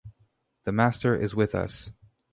The Master is with us.